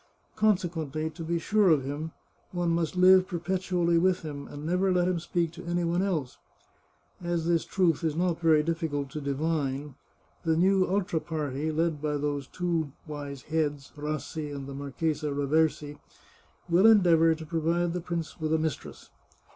Consequently, to be sure of him, one must live perpetually with him, and never let him speak to any one else. As this truth is not very diffi cult to divine, the new ultra party, led by those two wise heads, Rassi and the Marchesa Raversi, will endeavour to provide the prince with a mistress.